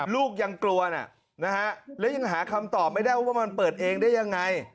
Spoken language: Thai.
ลูกยังกลัวนะแล้วยังหาคำตอบไม่ได้ว่ามันเปิดเองได้ยังไง